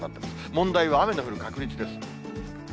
問題は雨の降る確率です。